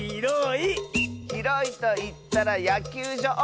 「ひろいといったらやきゅうじょう！」